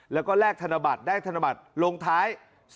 แล้วก็แลกธนบัตรได้ธนบัตรลงท้าย